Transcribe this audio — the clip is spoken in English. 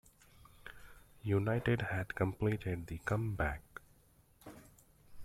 United had completed the come-back.